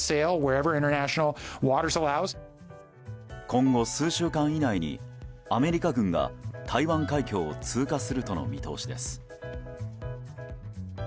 今後数週間以内にアメリカ軍が台湾海峡を通過するとの見通しです。